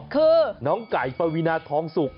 คือน้องไก่ปวีนาทองสุก